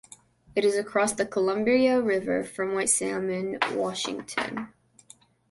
It is across the Columbia River from White Salmon, Washington.